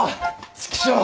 チクショー！